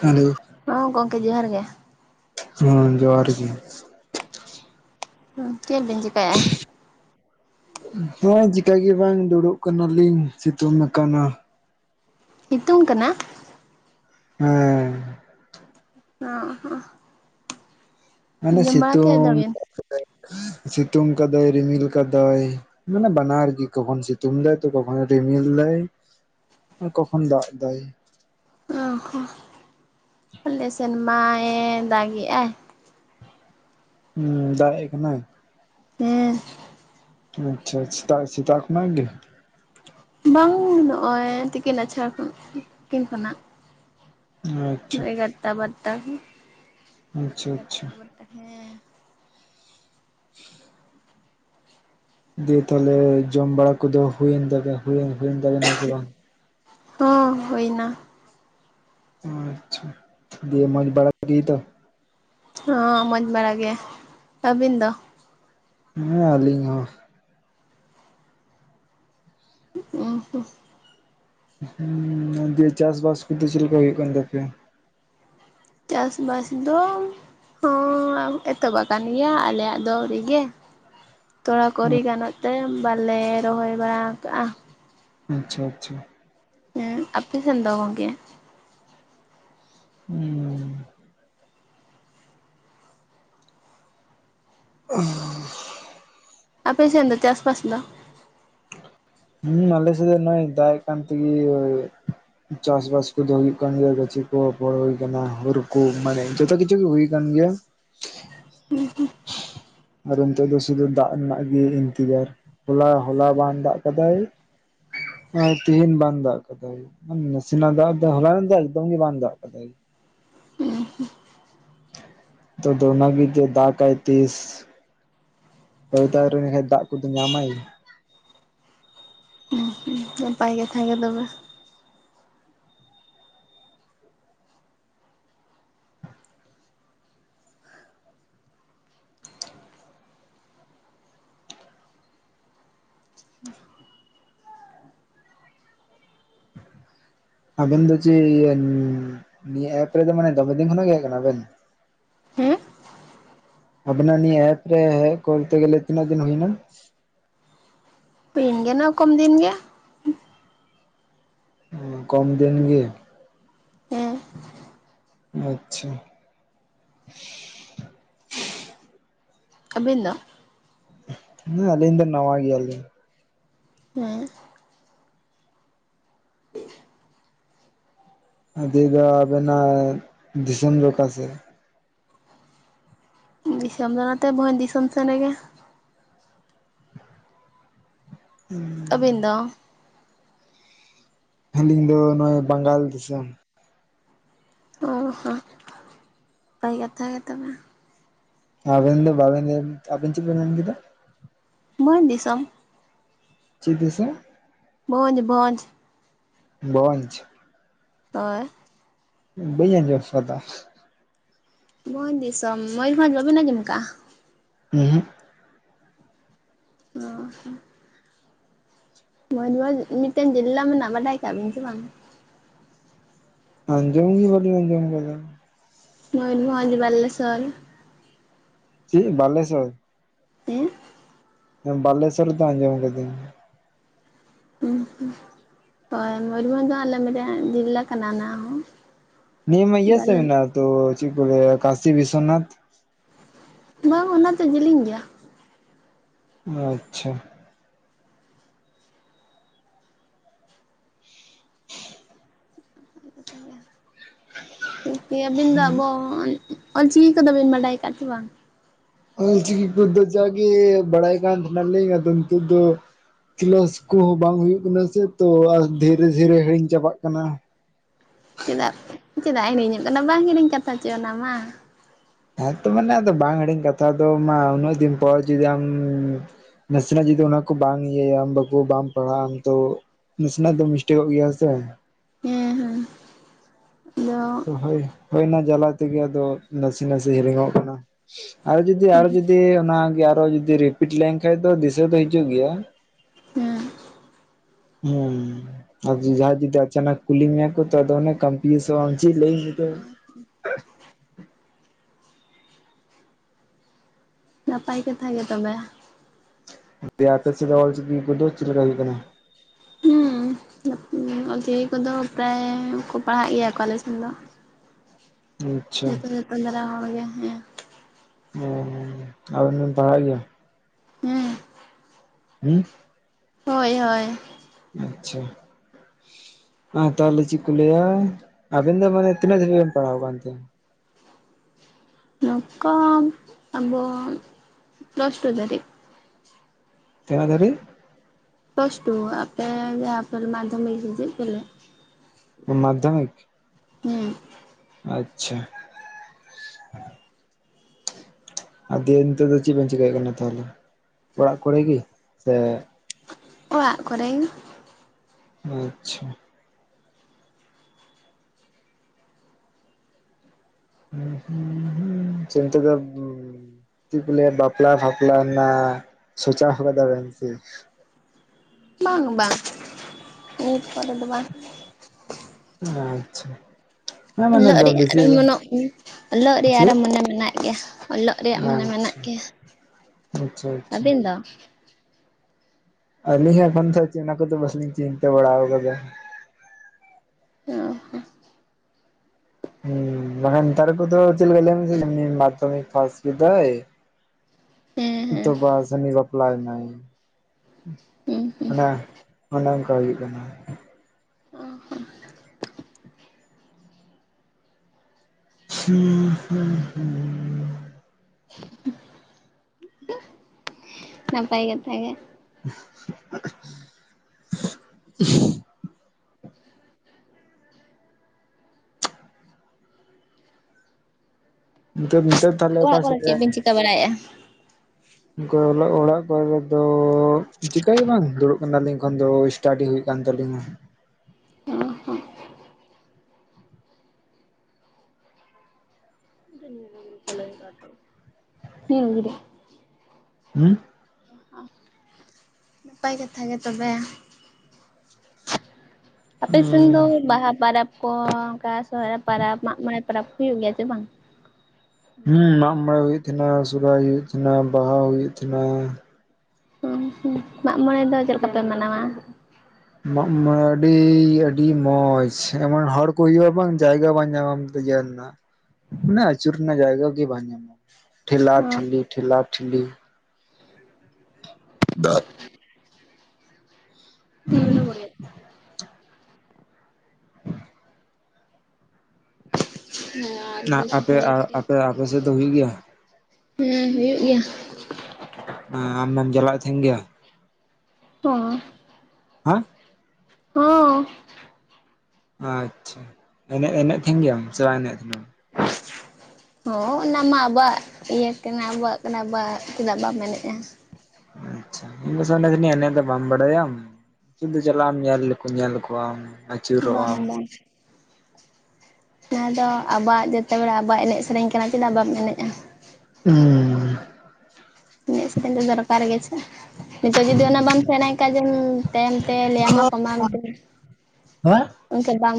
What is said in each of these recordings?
Hello ᱦᱮᱸ ᱜᱚᱢᱠᱮ ᱡᱚᱦᱟᱨ ᱜᱮ ᱦᱮᱸ ᱡᱚᱦᱟᱨ ᱜᱮ ᱪᱮᱫ ᱵᱤᱱ ᱪᱤ [inaudible] ᱦᱮᱸ ᱪᱮᱠᱟᱹ ᱜᱮ ᱵᱟᱝ ᱫᱩᱲᱩᱵ ᱠᱟᱱᱟᱞᱤᱧ ᱥᱤᱛᱩᱝ ᱟᱠᱟᱱᱟ ᱥᱤᱛᱩᱝ ᱠᱟᱱᱟ ᱦᱮᱸ ᱚᱦᱚᱸ ᱢᱟᱱᱮ ᱠᱮᱫ ᱥᱤᱛᱩᱝ ᱫᱚᱵᱮᱱ ᱥᱤᱛᱩᱝ ᱠᱟᱫᱟᱭ ᱨᱤᱢᱤᱞ ᱠᱟᱫᱟᱭ ᱢᱟᱱᱮ ᱵᱟᱱᱟᱨ ᱜᱮ ᱠᱚᱠᱷᱚᱱ ᱥᱤᱛᱩᱝ ᱫᱟᱭ ᱛᱚ ᱠᱚᱠᱷᱚᱱ ᱨᱤᱢᱤᱞ ᱫᱟᱭ ᱠᱚᱠᱷᱚᱱ ᱫᱟᱜ ᱫᱟᱭ ᱚ ᱦᱚᱸ ᱟᱞᱮ ᱥᱮᱱ ᱢᱟᱭ ᱫᱟᱜᱮᱜᱼᱟᱭ ᱦᱩᱸ ᱫᱟᱜ ᱮᱜ ᱠᱟᱱᱟᱭ ᱦᱮᱸ ᱟᱪᱪᱷᱟ ᱟᱪᱪᱷᱟ ᱥᱮᱛᱟᱜ ᱥᱮᱛᱟᱜ ᱠᱷᱚᱱᱟᱜ ᱜᱮ ᱵᱟᱝ ᱱᱚᱜᱼᱚᱭ ᱛᱤᱠᱤᱱ ᱟᱪᱲᱟ ᱛᱤᱠᱤᱱ ᱠᱷᱚᱱᱟᱜ ᱟᱪᱪᱷᱟ ᱮᱜᱟᱨᱴᱟ ᱵᱟᱨᱴᱟ ᱟᱪᱪᱷᱟ ᱟᱪᱪᱷᱟ ᱦᱮᱸ [inaudible] ᱫᱤᱭᱮ ᱛᱟᱦᱚᱞᱮ ᱡᱚᱢ ᱵᱟᱲᱟ ᱠᱚᱫᱚ ᱦᱩᱭᱮᱱ ᱛᱟᱵᱮ ᱦᱩᱭᱮᱱ ᱛᱟᱵᱮᱱᱟ ᱥᱮ ᱵᱟᱝ ᱦᱚᱸ ᱦᱩᱭ ᱮᱱᱟ ᱚ ᱟᱪᱪᱷᱟ ᱫᱤᱭ ᱢᱚᱸᱡᱽ ᱵᱟᱲᱟ ᱜᱮ ᱛᱚ ᱦᱚᱸ ᱢᱚᱸᱡᱽ ᱵᱟᱲᱟ ᱜᱮ ᱟᱹᱵᱤᱱ ᱫᱚ ᱦᱮᱸ ᱟᱹᱞᱤᱧ ᱦᱚᱸ ᱚᱦᱚ ᱦᱩᱸ ᱫᱤᱭᱮ ᱪᱟᱥᱵᱟᱥ ᱠᱚᱫᱚ ᱪᱮᱫᱞᱮᱠᱟ ᱦᱩᱭᱩᱜ ᱠᱟᱱ ᱛᱟᱯᱮᱭᱟ ᱪᱟᱥᱵᱟᱥ ᱫᱚᱼ ᱦᱚᱸ ᱮᱛᱚᱦᱚᱵ ᱟᱠᱟᱱ ᱜᱮᱭᱟ ᱟᱞᱮᱭᱟᱜ ᱫᱚ ᱟᱹᱰᱤᱜᱮ ᱛᱚ ᱚᱱᱟ ᱠᱚ ᱟᱣᱨᱤ ᱜᱟᱱᱚᱜ ᱛᱮ ᱵᱟᱞᱮ ᱨᱚᱦᱚᱭ ᱵᱟᱲᱟ ᱠᱟᱜᱼᱟ ᱟᱪᱪᱷᱟ ᱟᱪᱪᱷᱟ ᱦᱮᱸ ᱟᱯᱮ ᱥᱮᱱ ᱫᱚ ᱜᱚᱝᱠᱮ ᱦᱩᱸ [unintelligible] ᱟᱯᱮ ᱥᱮᱫ ᱫᱚ ᱪᱟᱥ ᱵᱟᱥ ᱫᱚ ᱦᱮᱸ ᱟᱞᱮᱥᱮᱫ ᱫᱚ ᱱᱚᱭ ᱫᱟᱜ ᱮ ᱠᱟᱱ [unintelligible] ᱪᱟᱥ ᱵᱟᱥ ᱠᱚᱫᱚ ᱦᱳᱭᱳᱜ ᱠᱟᱱ ᱜᱮᱭᱟ ᱜᱟᱪᱷᱤ ᱠᱚ ᱮᱯᱷᱚᱨ ᱦᱳᱭ ᱠᱟᱱᱟ ᱦᱳᱲᱳ ᱠᱚ ᱢᱟᱱᱮ ᱡᱚᱛᱚ ᱠᱤᱪᱷᱩ ᱜᱮ ᱦᱳᱭ ᱠᱟᱱ ᱜᱮᱭᱟ ᱦᱮᱸ ᱦᱮᱸ [unintelligible] ᱟᱨ ᱱᱤᱛᱳ ᱫᱚ ᱥᱩᱫᱷᱩ ᱫᱟᱜ ᱨᱮᱱᱟᱜ ᱜᱮ ᱤᱱᱛᱤᱡᱟᱨ ᱦᱚᱞᱟ ᱦᱚᱞᱟ ᱵᱟᱝ ᱫᱟᱜ ᱠᱟᱫᱟᱭ ᱛᱤᱦᱤᱧ ᱵᱟᱝ ᱫᱟᱜ ᱠᱟᱫᱟᱭ ᱱᱟᱥᱮᱱᱟᱜ ᱫᱟᱜ ᱫᱚ ᱦᱚᱞᱟᱱᱚᱜ ᱫᱚ ᱮᱠᱫᱚᱢ ᱜᱮ ᱵᱟᱝ ᱫᱟᱜ ᱠᱟᱫᱟᱭ ᱦᱤᱛᱚᱜ ᱫᱚ ᱚᱱᱟ ᱜᱮ ᱡᱮ ᱫᱟᱜᱟᱭ ᱛᱤᱥ ᱦᱚᱭ ᱫᱚ ᱟ. ᱣᱨᱤ [unintelligible] ᱠᱚᱫᱚ ᱧᱟᱢᱟᱭ ᱩ ᱱᱟᱯᱟᱭ ᱠᱟᱛᱷᱟ ᱜᱮ ᱛᱚᱵᱮ [inaudible] ᱟᱵᱮᱱ ᱫᱚ ᱪᱮᱫ ᱱᱤᱭᱟᱹ ᱮᱯ ᱨᱮᱫᱚ ᱢᱟᱱᱮ ᱫᱚᱢᱮ ᱫᱤᱱ ᱦᱳᱭ ᱠᱟᱱᱟ ᱵᱮᱱ ᱦᱮᱸ ᱟᱵᱤᱱᱟᱜ ᱱᱤᱭᱟᱹ ᱮᱯᱨᱮ ᱠᱚᱞᱛᱮ ᱜᱮᱞᱮ ᱛᱤᱱᱟᱹ ᱫᱤᱱ ᱦᱩᱭᱱᱟ ᱫᱤᱱ ᱜᱮᱢ [unintelligible] ᱠᱚᱢ ᱫᱤᱱ ᱜᱮ ᱦᱮᱸ ᱟᱪᱪᱷᱟ ᱟᱹᱵᱤᱱ ᱫᱚ ᱦᱮ ᱟᱞᱤ ᱫᱚ ᱱᱟᱣᱟ ᱜᱮᱣᱟᱞᱤᱧ ᱦᱮᱸ ᱫᱤᱭᱟ ᱫᱚ ᱟᱵᱮᱱᱟᱜ ᱫᱤᱥᱚᱢ ᱫᱚᱠᱟ ᱥᱮᱫ ᱫᱤᱥᱚᱢ ᱫᱚ ᱱᱚᱛᱮ ᱵᱷᱚᱡ ᱫᱤᱥᱚᱢ ᱥᱮᱱ ᱨᱮᱜᱮ [unintelligible] ᱦᱤᱛ ᱫᱚ ᱟᱹᱞᱤᱧ ᱫᱚ ᱱᱚᱜᱼᱚᱭ ᱵᱟᱝᱜᱟᱞ ᱫᱤᱥᱚᱢ ᱚ ᱦᱚᱸ [unintelligible] ᱠᱟᱛᱷᱟ ᱜᱮ ᱛᱚᱵ ᱟᱵᱮᱱ ᱫᱚ ᱵᱟᱵᱮᱱ ᱟᱵᱮᱱ ᱪᱮᱫ ᱵᱤᱱ ᱢᱮᱱ ᱠᱮᱫᱟ [unintelligible] ᱫᱤᱥᱚᱢ ᱪᱤᱠᱟᱹ ᱥᱮ ᱵᱷᱸᱡ ᱵᱷᱸᱡ ᱵᱷᱸᱡ ᱦᱳᱭ ᱵᱟ. ᱧ [unintelligible] ᱫᱟ ᱵᱷᱚᱸᱡᱽ ᱫᱤᱥᱚᱢ ᱢᱚᱭᱩᱨ ᱵᱷᱚᱸᱡᱽ ᱵᱟᱵᱤᱱ ᱟᱡᱚᱢ ᱠᱟᱜ ᱟ ᱩ ᱦᱩᱜ ᱚ ᱱᱚᱜᱼᱚᱭ ᱢᱤᱫᱴᱮᱱ ᱵᱤᱞᱞᱟ ᱢᱮᱱᱟᱜᱼᱟ ᱵᱟᱰᱟᱭ ᱠᱟᱜᱼᱟ ᱵᱤᱱ ᱥᱮ ᱵᱟᱝ ᱟᱸᱡᱚᱢ ᱜᱮ ᱵᱟᱞᱤᱧ ᱟᱸᱡᱚᱢ ᱠᱟᱫᱟ [unintelligible] ᱵᱟᱞᱮᱥᱥᱚᱨ ᱪᱤᱜ ᱵᱟᱞᱮᱥᱥᱚᱨ ᱦᱮᱸ ᱵᱟᱞᱮᱥᱥᱚᱨ ᱫᱚ ᱟᱸᱡᱚᱢ ᱠᱟ. ᱫᱟ. ᱧ ᱦᱸ ᱦᱳᱭ ᱢᱚᱭᱩᱨᱵᱷᱚᱸᱡᱽ ᱫᱚ ᱟᱞᱮ ᱢᱤᱫᱴᱟᱝ ᱡᱥᱸᱞᱞᱟ ᱠᱟᱱᱟ ᱚᱱᱟ ᱦᱚᱸ ᱱᱤᱭᱟᱹ ᱢᱟ ᱤᱭᱟᱹ ᱟᱫᱚ ᱥᱮᱫ ᱟᱞᱮ ᱢᱮᱱᱟᱜ ᱟ ᱛᱚ ᱪᱮᱫ ᱠᱚ ᱞᱟ. ᱭᱟ ᱠᱟᱥᱤ ᱵᱤᱥᱚᱱᱟᱛᱷ ᱵᱟᱝ ᱚᱱᱟ ᱫᱚ ᱡᱮᱞᱤᱧ ᱜᱮᱭᱟ ᱟᱪᱪᱷᱟ ᱴᱷᱤᱠ ᱜᱮᱭᱟ ᱟᱵᱤᱱ ᱫᱚ ᱟᱵᱚ [unintelligible] ᱚᱞᱪᱤᱠᱤ ᱠᱚᱫᱚ ᱵᱮᱱ ᱵᱟᱰᱟᱭ ᱟᱠᱟᱜᱼᱟ ᱥᱮ ᱵᱟᱝ ᱚᱞ ᱪᱤᱠᱤ ᱠᱚ ᱫᱚ ᱡᱟᱜᱮ ᱵᱟᱲᱟᱭ ᱠᱟᱱ ᱛᱟᱦᱮᱱᱟ. ᱞᱤᱧ ᱟᱫᱚ ᱱᱤᱛ ᱫᱚ ᱠᱮᱞᱟᱥ ᱠᱚᱦᱚᱸ ᱵᱟᱝ ᱦᱩᱭᱩᱜ ᱠᱟᱱᱟ ᱥᱮ ᱛᱚ ᱟᱨ ᱫᱷᱤᱨᱮ ᱫᱷᱤᱨᱮ ᱦᱤᱲᱤᱧ ᱪᱟᱵᱟᱜ ᱠᱟᱱᱟ ᱪᱮᱫᱟᱜ ᱪᱮᱫᱟᱜ ᱦᱤᱲᱤᱧᱚᱜ ᱠᱟᱱᱟ ᱵᱟᱝ ᱦᱤᱲᱤᱧ ᱠᱟᱛᱷᱟ ᱪᱚ ᱚᱱᱟ ᱢᱟ ᱦᱮᱸᱛᱚ ᱢᱟᱱᱮ ᱟᱫᱚ ᱵᱟᱝ ᱦᱤᱲᱤᱧ ᱠᱟᱛᱷᱟ ᱫᱚ ᱢᱟ ᱩᱱᱟᱹᱜ ᱫᱤᱱ ᱯᱚᱨ ᱡᱩᱫᱤ ᱟᱢᱻ ᱱᱟᱥᱮᱱᱟᱜ ᱡᱩᱫᱤ ᱚᱱᱟ ᱠᱚ ᱵᱟᱝ ᱤᱭᱟᱹᱭᱟᱢ ᱵᱟᱵᱩ ᱵᱟᱢ ᱯᱟᱲᱦᱟᱜᱼᱟ ᱟᱢ ᱛᱚ ᱱᱟᱥᱮᱱᱟᱜ ᱫᱚ ᱢᱤᱥᱴᱮᱠᱚᱜ ᱜᱮᱭᱟ ᱥᱮ ᱦᱮᱸ ᱦᱮᱸ [unintelligible] ᱛᱚ ᱦᱳᱭ ᱦᱳᱭ ᱚᱱᱟ ᱡᱟᱞᱟ ᱛᱮᱜᱮ ᱟᱫᱚ ᱱᱟᱥᱮ ᱱᱟᱥᱮ ᱦᱤᱲᱤᱧᱚᱜ ᱠᱟᱱᱟ ᱟᱨ ᱡᱩᱫᱤ ᱟᱨᱨ ᱡᱚᱫᱤ ᱚᱱᱟᱜᱮ ᱟᱨᱚ ᱡᱩᱫᱤ ᱨᱤᱯᱤᱴ ᱞᱮᱱᱠᱷᱟᱱ ᱫᱚ ᱫᱤᱥᱟᱹ ᱫᱚ ᱦᱤᱡᱩᱜ ᱜᱮᱭᱟ [unintelligible] ᱦᱮᱸ [unintelligible] ᱟᱨ ᱡᱩᱫᱤ ᱡᱟᱦᱟᱸᱭ ᱡᱩᱫᱤ ᱟᱪᱟᱱᱟᱠ ᱠᱩᱞᱤ ᱢᱮᱭᱟᱠᱚ ᱛᱚ ᱟᱫᱚ ᱚᱱᱮ [unintelligible] [unintelligible] ᱞᱟᱹᱭ [unintelligible] [inaudible] ᱱᱟᱯᱟᱭ ᱠᱟᱛᱷᱟ ᱜᱤ ᱛᱚᱵᱮ ᱚᱱᱛᱮ ᱟᱯᱮ ᱥᱮᱫ ᱫᱚ ᱚᱞ ᱪᱤᱠᱤ ᱠᱚᱫᱚ ᱪᱮᱜ ᱞᱮᱠᱟ ᱦᱩᱭᱩᱜ ᱠᱟᱱᱟ ᱦᱩᱸ ᱚᱞ ᱪᱤᱠᱤ ᱠᱚᱫᱚ ᱯᱨᱟᱭ ᱠᱚ ᱯᱟᱲᱦᱟᱜ ᱜᱮᱭᱟ ᱠᱚ ᱟᱞᱮ ᱥᱮᱫ ᱫᱚ ᱢᱩᱸᱪᱮᱜ ᱛᱟᱯᱚᱨᱮ ᱯᱟᱸᱫᱨᱟ ᱦᱚᱲ ᱜᱮ ᱦᱮᱸ ᱦᱮᱸ ᱦᱮᱸ ᱟᱵᱮᱱ ᱵᱮᱱ ᱯᱟᱲᱦᱟᱜ ᱜᱮᱭᱟ ᱦᱮᱸ ᱦᱩᱸ [unintelligible] ᱦᱳᱭ ᱦᱳᱭ ᱟᱪᱪᱷᱟ ᱢᱟ ᱛᱟᱦᱚᱞᱮ ᱪᱮᱫ ᱠᱚ ᱞᱟᱹᱭᱟ ᱟᱵᱮᱱ ᱫᱚ ᱢᱟᱱᱮ ᱛᱤᱱᱟᱹᱜ ᱫᱷᱟᱵᱤᱡ ᱵᱮᱱ ᱯᱟᱲᱦᱟᱣᱟ ᱠᱟᱱ ᱛᱮ ᱱᱚᱝᱠᱟ ᱟᱵᱚ ᱯᱟᱞᱟᱥᱴᱩ ᱫᱟᱹᱵᱤᱡ ᱛᱮᱱᱟᱜ ᱫᱷᱟᱨᱤᱡ ᱯᱟᱞᱟᱥᱴᱩ ᱫᱷᱟᱵᱤᱡ ᱟᱯᱮ ᱡᱟᱦᱟᱸᱯᱮ ᱢᱟᱫᱽᱫᱷᱚᱢᱤᱠ [unintelligible] ᱵᱚᱞᱮ ᱢᱟᱫᱽᱫᱷᱚᱢᱤᱠ ᱦᱮᱸ ᱟᱪᱪᱷᱟ ᱟᱨ ᱫᱤᱭᱮ ᱱᱤᱛᱚᱜ ᱫᱚ ᱪᱮᱫ ᱵᱮᱱ ᱪᱮᱤᱠᱟᱭᱮᱫ ᱠᱟᱱᱟ ᱛᱟᱦᱚᱞᱮ ᱚᱲᱟᱜ ᱠᱚᱨᱮ ᱜᱮ ᱥᱮ ᱚᱲᱟᱜ ᱠᱚᱨᱮ ᱜᱮ ᱟᱪᱪᱷᱟ [unintelligible] ᱥᱮ ᱪᱮᱫ ᱮᱢᱼᱼ ᱪᱮᱜ ᱠᱩ ᱞᱟᱹᱭᱟ ᱵᱟᱯᱞᱟ ᱯᱷᱟᱯᱞᱟ ᱨᱮᱱᱟᱜ ᱥᱚᱪᱟᱣ ᱟᱠᱟᱫᱟ ᱵᱮᱱ ᱥᱮ ᱵᱟᱝ ᱵᱟᱝ ᱱᱤᱛ ᱠᱚᱨᱮ ᱫᱚ ᱵᱟᱝ ᱟᱪᱪᱷᱟ ᱦᱮᱸ ᱢᱟᱱᱮ ᱚᱞᱚᱜ ᱫᱚ ᱨᱮᱭᱟᱜ ᱵᱮᱥᱤ ᱨᱮ ᱢᱚᱱᱚᱜ ᱚᱞᱚᱜ ᱨᱮᱭᱟᱜ ᱟᱨᱚ ᱪᱮᱫ ᱢᱚᱱᱮ ᱢᱮᱱᱟᱜ ᱜᱮᱭᱟ ᱚᱞᱚᱜ ᱨᱮᱭᱟᱜ ᱢᱚᱱᱮ ᱢᱮᱱᱟᱜ ᱟᱪᱪᱷᱟ ᱜᱮᱭᱟ ᱟᱪᱪᱷᱟ ᱟᱪᱪᱷᱟ ᱟᱹᱵᱤᱱ ᱫᱚ ᱟᱹᱞᱤᱧ ᱮᱠᱷᱚᱱ ᱛᱚ ᱪᱮᱜ ᱦᱚᱸ ᱚᱱᱟ ᱠᱚᱫᱚ ᱵᱟᱞᱤᱧ ᱪᱤᱱᱛᱟᱹ ᱵᱟᱲᱟ ᱟᱠᱟᱫᱟ [unintelligible] ᱦᱚ ᱦᱩᱸ ᱢᱟᱱᱮ ᱱᱮᱛᱟᱨ ᱠᱚᱫᱚ ᱪᱮᱜ ᱞᱮᱠᱟᱧ ᱞᱟᱹᱭᱟᱢᱟ [unintelligible] ᱢᱟᱫᱽᱫᱷᱚᱢᱤᱠ ᱯᱷᱟᱥ ᱠᱮᱫᱟᱭ ᱛᱚ ᱦᱮᱸ ᱵᱟ ᱡᱟᱹᱱᱤᱜ ᱵᱟᱯᱞᱟᱭᱮᱱᱟᱭ ᱦᱩᱸ ᱦᱩᱸ [unintelligible] ᱚᱱᱮ ᱚᱱᱠᱟ ᱦᱩᱭᱩᱜ ᱠᱟᱱᱟ [unintelligible] [unintelligible] [unintelligible] ᱱᱟᱯᱟᱭ ᱠᱟᱛᱷᱟ ᱜᱮ [inaudible] ᱱᱤᱛᱚᱜ ᱛᱟᱦᱞᱮ ᱚᱠᱟ ᱚᱲᱟᱜ ᱠᱚᱨᱮ ᱥᱮᱫ ᱨᱮ ᱪᱮᱫ ᱵᱤᱱ ᱪᱤᱠᱟᱹ ᱵᱟᱲᱟᱭᱮᱫ-ᱟ ᱚ ᱚᱲᱟᱜ ᱠᱚᱨᱮ ᱫᱚ ᱪᱤᱠᱟ ᱜᱮ ᱵᱟᱝ ᱫᱩᱲᱩᱵ ᱠᱟᱱᱟᱞᱤᱧ ᱮᱠᱷᱚᱱ ᱫᱚ ᱥᱴᱟᱰᱤ ᱦᱩᱭᱩᱜ ᱠᱟᱱ ᱛᱟᱞᱤᱧᱟ ᱦᱩᱸ ᱱᱚᱸᱰᱮ ᱦᱩᱸ ᱱᱟᱯᱟᱭ ᱠᱟᱛᱷᱟ ᱜᱮ ᱛᱚᱵᱮ ᱟᱯᱮ ᱥᱮᱱ ᱫᱚ ᱵᱟᱦᱟ ᱯᱟᱨᱟᱵᱽ ᱠᱚ ᱚᱱᱠᱟ ᱥᱚᱦᱚᱨᱟᱭ ᱯᱟᱨᱟᱵᱽ ᱢᱟᱜ ᱢᱚᱬᱮ ᱯᱟᱨᱟᱵᱽ ᱠᱚ ᱦᱩᱭᱩᱜ ᱜᱮᱭᱟ ᱥᱮ ᱵᱟᱝ ᱦᱩᱸ ᱢᱟᱜ ᱢᱚᱬᱮ ᱦᱩᱭᱩᱜ ᱛᱟᱦᱮᱸᱱᱟ ᱥᱚᱨᱦᱟᱭ ᱦᱩᱭᱩᱜ ᱛᱟᱦᱮᱸᱱᱟ ᱵᱟᱦᱟ ᱦᱩᱭᱩᱜ ᱛᱟᱦᱮᱸᱱᱟ ᱢᱟᱻᱜ ᱢᱚᱬᱮ ᱫᱚ ᱪᱮᱫ ᱞᱮᱠᱟᱯᱮ ᱢᱟᱱᱟᱣᱟ ᱢᱟᱜ ᱢᱚᱬᱮ ᱟᱹᱰᱤ ᱟᱹᱰᱤ ᱢᱚᱸᱡᱽ ᱮᱢᱚᱱ ᱦᱚᱲ ᱠᱚ ᱦᱩᱭᱩᱜ-ᱟ ᱵᱟᱝ ᱡᱟᱭᱜᱟ ᱵᱟᱝ ᱧᱟᱢᱟᱢ ᱛᱮᱭᱟᱨ ᱮᱱᱟ ᱢᱟᱱᱮ ᱟᱹᱪᱩᱨ ᱨᱮᱱᱟᱜ ᱡᱟᱭᱜᱟ ᱜᱮ ᱵᱟᱝ ᱧᱟᱢᱚᱜᱟ ᱴᱷᱮᱞᱟ ᱴᱷᱤᱞᱤ ᱴᱷᱮᱞᱟ ᱴᱷᱤᱞᱤ ᱫᱟᱜ [unintelligible] [unintelligible] ᱟᱯᱮ ᱟᱯᱮ ᱟᱯᱮ ᱥᱮᱫ ᱫᱚ ᱦᱩᱭᱩᱜ ᱜᱮᱭᱟ ᱦᱮᱸ ᱦᱩᱭᱩᱜ ᱜᱮᱭᱟ ᱟᱢᱮᱢ ᱪᱟᱞᱟᱜ ᱛᱟᱦᱮᱱ ᱜᱮᱭᱟ ᱦᱚᱸ ᱦᱟᱸ ᱦᱩᱸ ᱟᱪᱪᱷᱟ ᱮᱱᱮᱡ ᱮᱱᱮᱡ ᱛᱟᱦᱮᱱ ᱜᱮᱭᱟᱢ ᱥᱮ ᱵᱟᱝ ᱮᱱᱮᱡ ᱛᱟᱦᱮᱱᱟᱢ ᱦᱚᱸ ᱚᱱᱟ ᱢᱟ ᱟᱵᱚᱣᱟᱜ ᱤᱭᱟᱹ ᱠᱟᱱᱟ ᱟᱵᱚᱣᱟᱜ ᱠᱟᱱᱟ ᱵᱟ ᱪᱮᱫᱟᱜ ᱵᱟᱢ ᱮᱱᱮᱡ-ᱟ ᱟᱪᱪᱷᱟ ᱤᱧᱫᱚ ᱟᱥᱟᱤᱧ ᱮᱱᱮᱡ ᱫᱚ ᱵᱟᱢ ᱵᱟᱲᱟᱭᱟᱢ ᱥᱩᱫᱩ ᱪᱟᱞᱟᱜ-ᱟᱢ ᱧᱮᱞ ᱞᱮᱠᱚ ᱧᱮᱞ ᱠᱚᱣᱟ ᱵᱟᱝ ᱵᱟᱝ ᱡᱟᱦᱟᱸ ᱫᱚ ᱟᱵᱚᱣᱟᱜ ᱡᱚᱛᱚ ᱦᱚᱲᱟ ᱟᱵᱚᱣᱟᱜ ᱮᱱᱮᱡ ᱥᱮᱨᱮᱧ ᱠᱟᱱᱟ ᱪᱮᱫᱟᱜ ᱵᱟᱢ ᱮᱱᱮᱡ-ᱟ ᱦᱩᱸ ᱦᱮᱸ ᱮᱱᱮᱜ ᱥᱮᱨᱮᱧ ᱫᱚ ᱫᱚᱨᱠᱟᱨ ᱜᱮ ᱪᱮ ᱱᱤᱛᱚᱜ ᱡᱩᱫᱤ ᱚᱱᱟ ᱵᱟᱢ ᱥᱮᱸᱲᱟ ᱟᱠᱟᱫᱟᱢ ᱛᱟᱭᱚᱢ ᱛᱮ ᱞᱟᱹᱭ ᱟᱢᱟ ᱠᱚ ᱢᱟ ᱢᱤᱫᱴᱮᱡ [unintelligible] ᱮᱱᱠᱷᱟᱱ ᱵᱟᱢ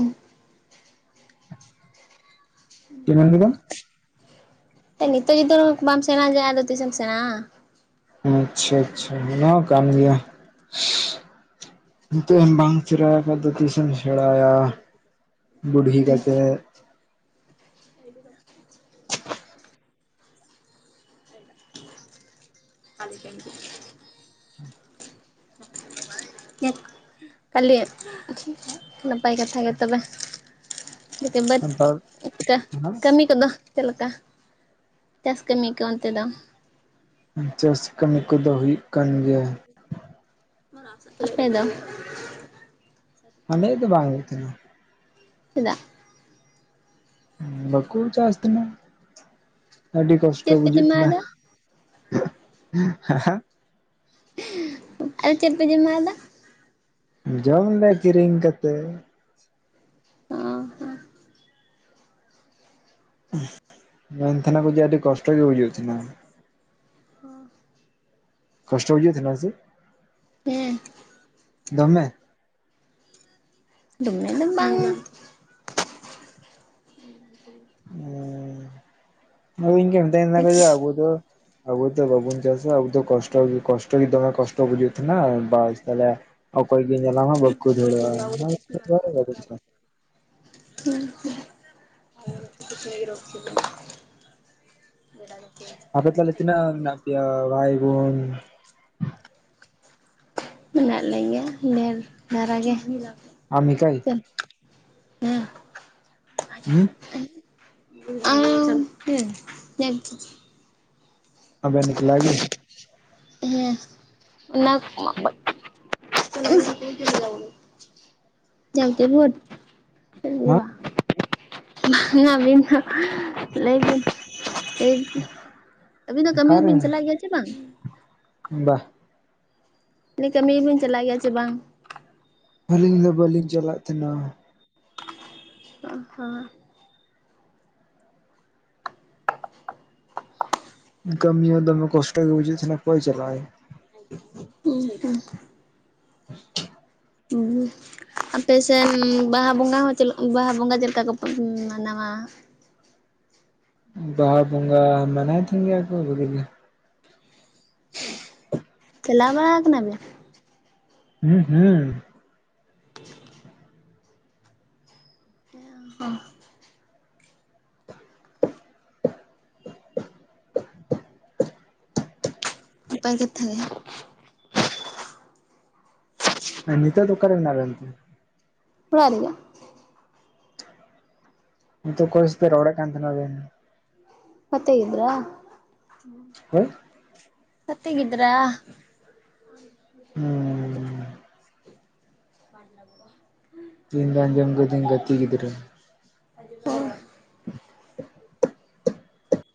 ᱪᱮᱫ ᱵᱮᱱ ᱞᱤᱭᱮᱫᱟ ᱱᱤᱛᱚᱜ ᱡᱩᱫᱤ ᱵᱟᱢ ᱥᱮᱲᱟᱭᱟ ᱟᱫᱚ ᱛᱤᱥᱮᱢ ᱥᱮᱲᱟᱭᱟ ᱟᱪᱪᱷᱟ ᱟᱪᱪᱷᱟ ᱚᱱᱟ ᱦᱚᱸ ᱠᱟᱱ ᱜᱮᱭᱟ ᱦᱮᱸ ᱱᱤᱛᱚᱜ ᱟᱢ ᱵᱟᱝ ᱥᱮᱬᱟᱭ ᱠᱷᱟᱱ ᱥᱫᱚ ᱛᱤᱥᱮᱢ ᱥᱮᱬᱟᱭᱟ ᱵᱩᱰᱷᱤ ᱠᱟᱛᱮᱫ [unintelligible] [unintelligible] ᱟᱞᱮ ᱴᱷᱮᱱ ᱜᱮ ᱪᱮᱫ [unintelligible] ᱠᱷᱟᱹᱞᱤ [unintelligible] ᱱᱟᱯᱟᱭ ᱠᱟᱛᱷᱟ ᱜᱮ ᱛᱚᱵᱮ ᱱᱤᱛᱚᱜ ᱵᱟᱹᱛ ᱱᱮᱛᱟᱨ ᱮᱱᱠᱷᱟᱱ ᱠᱟᱹᱢᱤ ᱠᱚᱫᱚ ᱪᱮᱫ ᱞᱮᱠᱟ ᱪᱟᱥ ᱠᱟᱹᱢᱤ ᱠᱚ ᱚᱱᱛᱮ ᱫᱚ? ᱪᱟᱥ ᱠᱟᱹᱢᱤ ᱠᱚᱫᱚ ᱦᱩᱭᱩᱜ ᱠᱟᱱ ᱜᱮᱭᱟ᱾ ᱟᱯᱮ ᱫᱚ ᱟᱞᱮ ᱫᱚ ᱵᱟᱝ ᱦᱩᱭ ᱛᱟᱦᱮᱱᱟ ᱪᱮᱫᱟᱜ ᱵᱟᱠᱚ ᱪᱟᱥ ᱛᱟᱦᱮᱸᱱᱟ ᱟᱹᱰᱤ ᱠᱚᱥᱴᱚ ᱪᱮᱫ ᱯᱮ ᱵᱩᱡᱩᱜ ᱛᱟᱦᱮᱸᱱᱟ ᱡᱚᱢᱟᱣᱫᱟ ᱦᱮᱸ ᱦᱮᱸ ᱟᱫᱚ ᱪᱮᱫ ᱯᱮ ᱡᱚᱢᱟ ᱟᱫᱚ ᱡᱚᱢ ᱟᱞᱮ ᱠᱤᱨᱤᱧ ᱠᱟᱛᱮᱫ ᱚ ᱢᱮᱱᱛᱟᱦᱮᱱᱟ ᱠᱚ ᱡᱮᱹ ᱟᱹᱰᱤ ᱠᱚᱥᱴᱚ ᱜᱮ ᱦᱩᱭᱩᱜ ᱛᱟᱦᱮᱱᱟ᱾ [inaudible] ᱠᱚᱥᱴᱚ ᱵᱩᱡᱷᱟᱜ ᱛᱟᱦᱮᱱᱟ ᱦᱮᱸᱥᱮ ᱦᱮᱸ ᱫᱚᱢᱮ? ᱫᱚᱢᱮ ᱫᱚ ᱵᱟᱝᱟ᱾ ᱚ ᱤᱧᱠᱚ ᱢᱤᱛᱟᱹᱧ ᱠᱟᱱ ᱟᱵᱩ ᱫᱚ [unintelligible] ᱟᱵᱚᱫᱚ ᱵᱟᱵᱚᱱ ᱪᱟᱥᱟ ᱟᱵᱚᱫᱚ ᱠᱚᱥᱴᱚ ᱜᱮ ᱠᱚᱥᱴᱚ ᱜᱮ ᱫᱚᱢᱮ ᱠᱚᱥᱴᱚ ᱵᱩᱡᱩᱜᱛᱟᱦᱮᱱᱟ ᱵᱟᱥ ᱛᱟᱦᱚᱞᱮ ᱚᱠᱚᱭ ᱜᱮ ᱧᱮᱞᱟᱢ ᱦᱚᱸ ᱵᱟᱠᱚ ᱫᱷᱩᱲᱮᱜᱼᱟ᱾ ᱦᱩᱸ [unintelligible] [unintelligible] ᱟᱯᱮ ᱛᱟᱦᱞᱮ ᱛᱤᱱᱟᱹᱜ ᱢᱮᱱᱟᱜ ᱯᱮᱭᱟ ᱵᱷᱟᱭ ᱵᱳᱱ? ᱢᱮᱱᱟᱜ ᱞᱮᱜᱮᱭᱟ ᱰᱮᱨ ᱫᱷᱟᱨᱟᱜ ᱜᱮ᱾ ᱟᱢ ᱮᱠᱟᱭ? ᱦᱮᱸ ᱦᱩᱸ ᱟᱨ ᱦᱮᱸ [unintelligible] ᱟᱵᱮᱱ ᱮᱠᱞᱟ ᱜᱮ? ᱦᱮᱸ ᱚᱱᱟ [unintelligible] [unintelligible] ᱪᱮᱫ ᱜᱮ ᱦᱮᱸ ᱵᱟᱝ᱾ ᱢᱟ ᱵᱱᱟ ᱞᱟᱹᱭ [unintelligible] ᱟᱹᱵᱤᱱ ᱫᱚ ᱠᱟᱹᱢᱤ ᱠᱚᱵᱤᱱ ᱪᱟᱞᱟᱜ ᱜᱮᱭᱟ ᱥᱮ ᱵᱟᱝ? ᱵᱟᱦ᱾ ᱞᱮ ᱠᱟᱹᱢᱤ ᱵᱤᱱ ᱪᱟᱞᱟᱜ ᱜᱮᱭᱟ ᱪᱮ ᱵᱟᱝ? ᱟᱹᱞᱤᱧ ᱫᱚ ᱵᱟᱹᱞᱤᱧ ᱪᱟᱞᱟᱜ ᱛᱟᱦᱮᱱᱟ᱾ ᱚ ᱦᱚᱸ ᱠᱟᱹᱢᱤ ᱦᱚᱸ ᱫᱚᱢᱮ ᱠᱚᱥᱴᱚ ᱜᱮ ᱵᱩᱡᱷᱟᱹᱜ ᱛᱟᱦᱮᱸᱱᱟ ᱚᱠᱚᱭ ᱪᱟᱞᱟᱜ ᱟᱭ᱾ [unintelligible] [unintelligible] [unintelligible] ᱟᱯᱮ ᱥᱮᱫ ᱵᱟᱦᱟ ᱵᱚᱸᱜᱟ ᱦᱚᱸ ᱵᱟᱦᱟ ᱵᱚᱸᱜᱟ ᱪᱮᱫ ᱞᱮᱠᱟ ᱠᱚᱯᱮ ᱢᱟᱱᱟᱣᱟ? ᱵᱟᱦᱟ ᱵᱚᱸᱜᱟ ᱢᱟᱱᱟᱣ ᱛᱟᱦᱮᱱ ᱜᱮ ᱠᱚ ᱵᱷᱟᱞᱤᱜᱤ᱾ [unintelligible] ᱪᱟᱞᱟᱣ ᱵᱟᱲᱟ ᱟᱠᱟᱱᱟ ᱵᱤᱱ? ᱦᱮᱸ ᱦᱩᱸ ᱦᱚᱸ ᱱᱟᱯᱟᱭ ᱠᱟᱛᱷᱟ ᱜᱮ᱾ ᱱᱤᱛᱚᱜ ᱫᱚ ᱚᱠᱟᱨᱮ ᱢᱮᱱᱟᱜ ᱵᱤᱱ ᱛᱮ? ᱚᱲᱟᱜ ᱨᱮ ᱜᱮ᱾ ᱱᱤᱛᱚᱜ ᱚᱠᱚᱭ ᱥᱟᱶᱛᱮ ᱨᱚᱲ ᱮᱫ ᱠᱟᱱ ᱛᱟᱦᱮᱸ ᱟᱵᱮᱱ? ᱜᱟᱛᱮᱹ ᱜᱤᱫᱽᱨᱟᱹ ᱦᱳᱭ ᱜᱟᱛᱮᱹ ᱜᱤᱫᱽᱨᱟᱹ᱾ ᱦᱩᱸ ᱵᱟᱝ [unintelligible] ᱤᱧ ᱫᱚ ᱟᱸᱡᱚᱢ ᱠᱮᱫᱟᱹᱧ ᱜᱟᱛᱮ ᱜᱤᱫᱽᱨᱟᱹ ᱚ